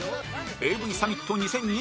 ＡＶ サミット２０２１